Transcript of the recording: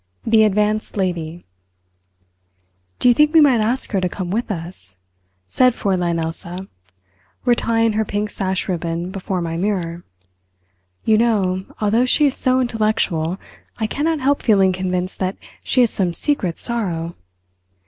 THE ADVANCED LADY "Do you think we might ask her to come with us," said Fräulein Elsa, retying her pink sash ribbon before my mirror. "You know, although she is so intellectual, I cannot help feeling convinced that she has some secret sorrow.